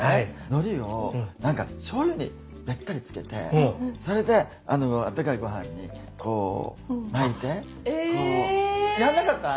のりをしょうゆにべったりつけてそれであったかいごはんにこう巻いてこうやんなかった？